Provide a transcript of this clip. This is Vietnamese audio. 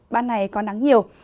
ban này có nắng nhiều